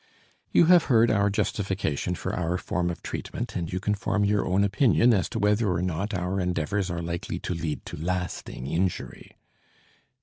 You have heard our justification for our form of treatment, and you can form your own opinion as to whether or not our endeavors are likely to lead to lasting injury.